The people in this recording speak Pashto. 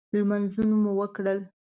لمنځونه مو وکړل.